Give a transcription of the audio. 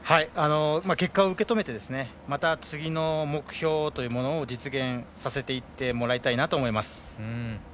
結果を受け止めて次の目標というものを実現させていってもらいたいなと思います。